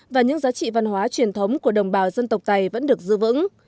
và những giá trị văn hóa truyền thống của đồng bào dân tộc tây vẫn được giữ vững